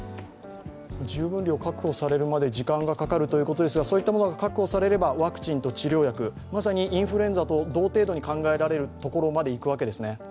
十分量が確保されるまで時間がかかるということですがそういったものが確保されればまさに、インフルエンザと同程度に考えられるというところまでいけるわけですね。